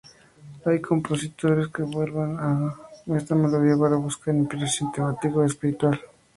Hay compositores que vuelven a esta melodía para buscar inspiración temática o espiritual.